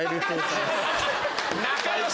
仲良し！